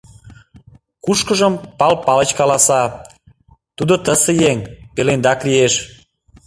Кушкыжым Пал Палыч каласа, тудо тысе еҥ, пелендак лиеш.